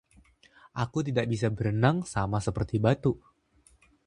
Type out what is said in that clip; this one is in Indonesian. Aku tidak bisa berenang, sama seperti batu.